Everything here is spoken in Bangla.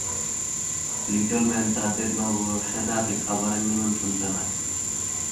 লিটল ম্যান তাদের নববর্ষের রাতে খাবারের নিমন্ত্রণ জানায়।